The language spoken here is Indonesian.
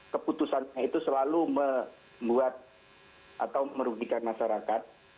keputusannya itu selalu membuat atau merugikan masyarakat